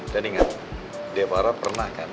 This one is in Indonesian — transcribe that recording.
tadi ingat depara pernah kan